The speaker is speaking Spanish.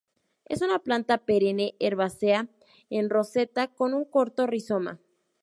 Es una planta perenne herbácea en roseta con un corto rizoma.